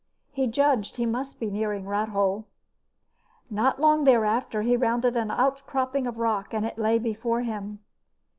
He judged he must be nearing Rathole. Not long thereafter, he rounded an outcropping of rock and it lay before him.